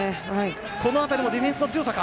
この辺りもディフェンスの強さか。